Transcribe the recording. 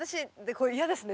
これ嫌ですね